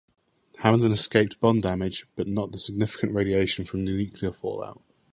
Hamelin escaped bomb damage, but not the significant radiation from nuclear fallout.